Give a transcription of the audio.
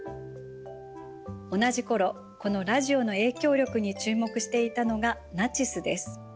同じ頃このラジオの影響力に注目していたのがナチスです。